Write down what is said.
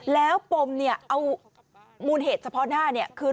แล้วโปรมเอามูลเหตุเฉพาะหน้าคือ